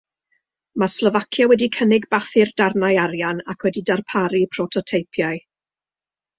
Mae Slofacia wedi cynnig bathu'r darnau arian, ac wedi darparu prototeipiau.